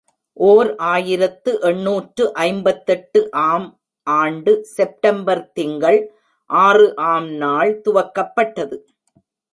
ஓர் ஆயிரத்து எண்ணூற்று ஐம்பத்தெட்டு ஆம் ஆண்டு செப்டம்பர் திங்கள் ஆறு ஆம் நாள் துவக்கப்பட்டது.